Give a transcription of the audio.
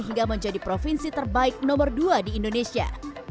hingga menjadi provinsi terbaik nomor dua di indonesia